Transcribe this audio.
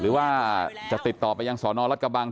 หรือว่าจะติดต่อไปยังสอนอรัฐกระบัง